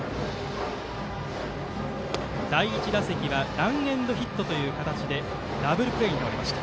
第１試合はランエンドヒットという形でダブルプレーに倒れました。